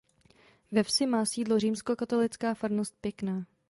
Ve vsi má sídlo římskokatolická farnost Pěkná.